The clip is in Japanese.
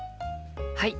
はい！